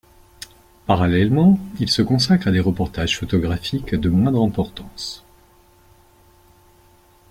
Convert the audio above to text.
Parallèlement, il se consacre à des reportages photographiques de moindre importance.